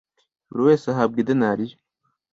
buri wese ahabwa idenariyo